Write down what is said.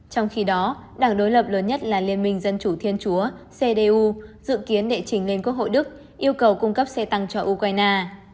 trong khi đó đảng đối lập lớn nhất là liên minh dân chủ thiên chúa cdu dự kiến đệ trình lên quốc hội đức yêu cầu cung cấp xe tăng cho ukraine